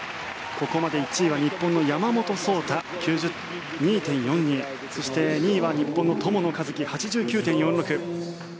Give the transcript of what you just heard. ここまで１位は日本の山本草太、９２．４２そして２位は日本の友野一希８９．４６。